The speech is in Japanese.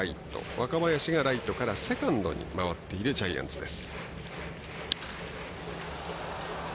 若林がライトからセカンドに回っているジャイアンツです。